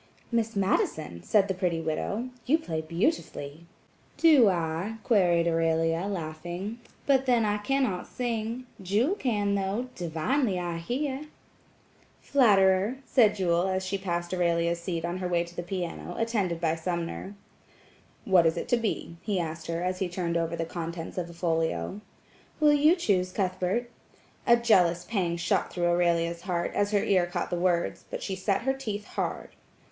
"Miss Madison," said the pretty widow, "you play beautifully." "Do I?" gueried Aurelia, laughing, "but then I cannot sing, Jewel can, though–divinely, I hear." "Flatterer!" said Jewel as she passed Aurelia's seat on her way to the piano, attended by Sumner. "What is it to be?" he asked her as he turned over the contents of a folio. "Will you choose, Cuthbert?" A jealous pang shot through Aurelia's heart, as her ear caught the words, but she set her teeth hard.